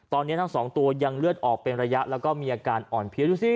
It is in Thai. ตอนนี้ทั้งสองตัวยังเลือดออกเป็นระยะแล้วก็มีอาการอ่อนเพี้ยดูสิ